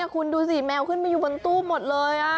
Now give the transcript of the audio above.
คุณดูสิแมวขึ้นมาอยู่บนตู้หมดเลย